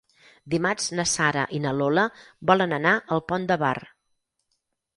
Dimarts na Sara i na Lola volen anar al Pont de Bar.